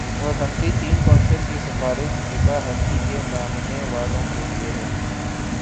اورحنفی تین کونسل کی سفارش فقہ حنفی کے ماننے والوں کے لیے ہے۔